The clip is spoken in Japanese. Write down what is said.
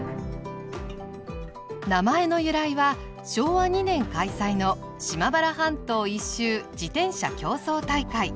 名前の由来は昭和２年開催の島原半島一周自転車競争大会。